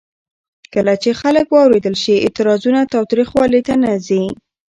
کله چې خلک واورېدل شي، اعتراضونه تاوتریخوالي ته نه ځي.